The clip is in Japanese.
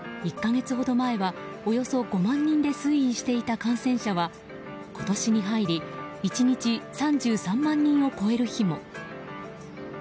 １か月ほど前はおよそ５万人で推移していた感染者は今年に入り１日３３万人を超える日も。